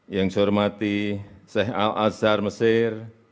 yang saya hormati sheikh al azhar mesir